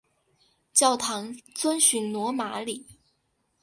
教堂遵循罗马礼。